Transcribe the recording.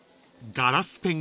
ガラスペン？